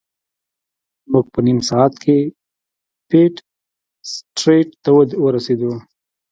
موږ په نیم ساعت کې پیټ سټریټ ته ورسیدو.